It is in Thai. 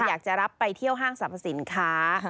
อยากจะรับไปเที่ยวห้างสรรพสินค้า